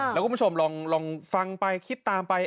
แล้วคุณผู้ชมลองฟังไปคิดตามไป